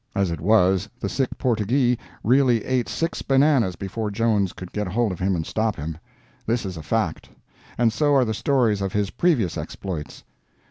As it was, the sick "Portyghee" really ate six bananas before Jones could get hold of him and stop him. This is a fact. And so are the stories of his previous exploits.